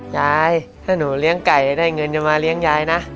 ยายถ้าหนูเลี้ยงไก่ได้เงินจะมาเลี้ยงยายนะ